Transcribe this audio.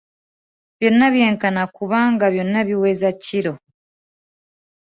Byonna byenkana kubanga byonna biweza kkiro.